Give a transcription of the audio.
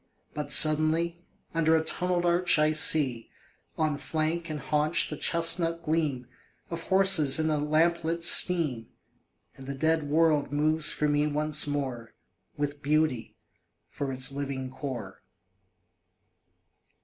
But suddenly, Under a tunnelled arch I see On flank and haunch the chestnut gleam Of horses in a lamplit steam; And the dead world moves for me once more With beauty for its living core.